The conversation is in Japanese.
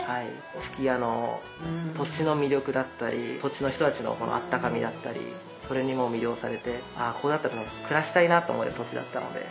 吹屋の土地の魅力だったり土地の人たちの温かみだったりそれにもう魅了されてここだったら暮らしたいなと思える土地だったので。